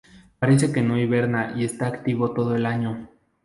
Parece que no hiberna y está activo todo el año.